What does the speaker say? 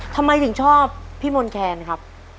ทำไมถึงชอบพี่มนต์แคนครับ